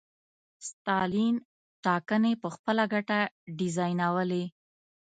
ستالین ټاکنې په خپله ګټه ډیزاینولې.